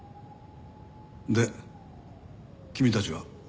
で君たちは？